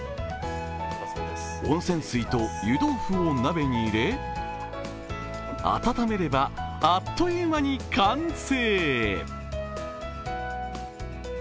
温泉水と湯豆腐を鍋に入れ、温めればあっという間に完成。